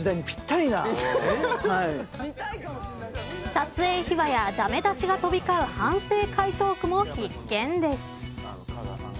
撮影秘話やダメ出しが飛び交う反省会トークも必見です。